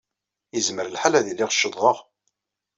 Yezmer lḥal ad iliɣ ccḍeɣ.